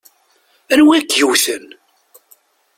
Anwa i k-yewwten?